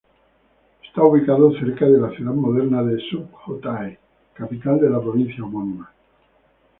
Está ubicado cerca de la ciudad moderna de Sukhothai, capital de la provincia homónima.